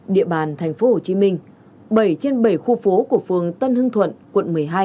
địa bàn thành phố hồ chí minh bảy trên bảy khu phố của phương tân hưng thuận quận một mươi hai